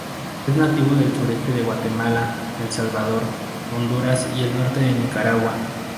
Es nativo del sureste de Guatemala, El Salvador, Honduras y el norte de Nicaragua.